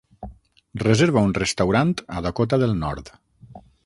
Reserva un restaurant a Dakota del Nord.